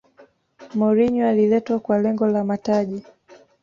mourinho aliletwa kwa lengo la mataji